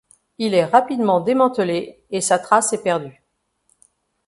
Il est rapidement démantelé et sa trace est perdue.